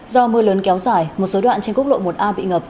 do mưa lớn kéo dài một số đoạn trên quốc lộ một a bị ngập